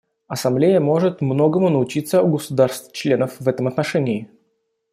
Ассамблея может многому научиться у государств-членов в этом отношении.